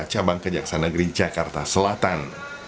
cabang kejaksanegeri jakarta selatan